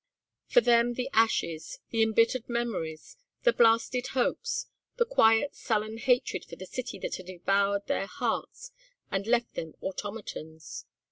For them the ashes, the embittered memories, the blasted hopes, a quiet sullen hatred for the city that had devoured their hearts and left them automatons.